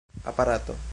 aparato